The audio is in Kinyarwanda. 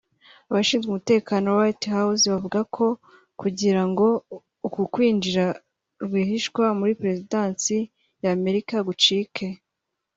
Abashinzwe umutekano wa White House bavuga ko kugira ngo uku kwinjira rwihishwa muri Perezidansi ya Amerika gucike